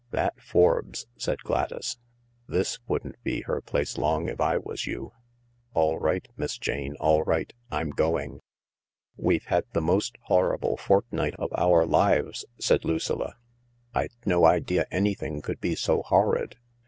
" That Forbes !" said Gladys. " This wouldn't be her place long if I was you. ... All right, Miss Jane, all right. I'm going." ..«•••" We've had the most horrible fortnight of our lives," said Lucilla. " I'd no idea anything could be so horrid.